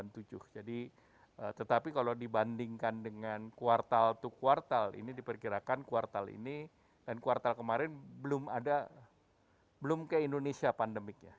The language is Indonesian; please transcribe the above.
tetapi kalau dibandingkan dengan q dua ini diperkirakan q ini dan q kemarin belum ada belum ke indonesia pandemiknya